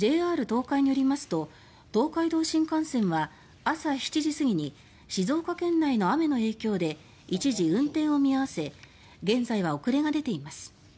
ＪＲ東海によりますと東海道新幹線は朝７時過ぎに静岡県内の雨の影響で一時運転を見合わせ現在は遅れが出ています。